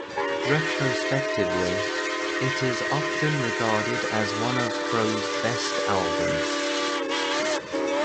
Retrospectively, it is often regarded as one of Crow's best albums.